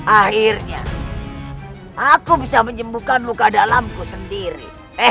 akhirnya aku bisa menyembuhkan luka dalamku sendiri